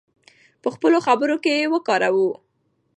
په خپلو خبرو کې یې وکاروو.